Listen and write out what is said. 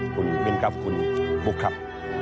คุณมิ้นครับคุณบุ๊คครับ